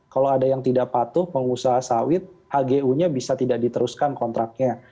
kalau ada yang tidak patuh pengusaha sawit hgu nya bisa tidak diteruskan kontraknya